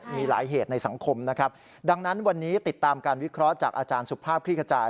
มีหลายเหตุในสังคมนะครับดังนั้นวันนี้ติดตามการวิเคราะห์จากอาจารย์สุภาพคลี่ขจาย